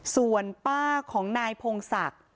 ส่วนป้าของนายพงศักดิ์